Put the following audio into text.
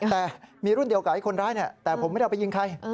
แต่มีรุ่นเดียวกับไอ้คนร้ายแต่ผมไม่ได้เอาไปยิงใคร